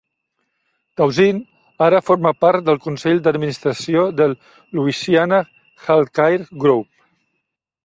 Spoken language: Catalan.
Tauzin ara forma part del consell d'administració del Louisiana Healthcare Group.